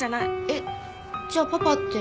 えっじゃあパパって。